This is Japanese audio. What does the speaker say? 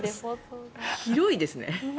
広いですね。